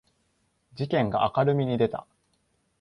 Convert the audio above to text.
事件が明るみに出た